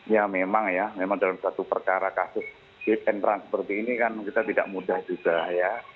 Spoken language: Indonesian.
ya memang ya memang dalam satu perkara kasus hit and run seperti ini kan kita tidak mudah juga ya